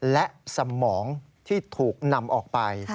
และสมองที่ถูกนำออกไป